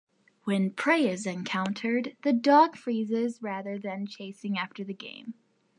When prey is encountered the dog freezes rather than chasing after the game.